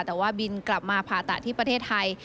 แต่ว่าบินกลับมาผ่าตัดที่ประเทศไทย